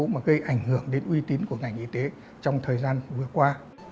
mà gây ảnh hưởng đến uy tín của ngành y tế trong thời gian vừa qua